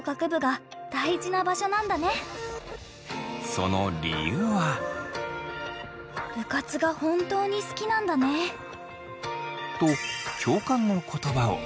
その理由は。と共感の言葉を。